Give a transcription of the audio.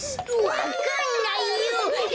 わかんないよ！